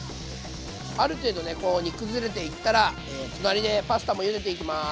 ある程度ねこう煮崩れていったら隣でパスタもゆでていきます。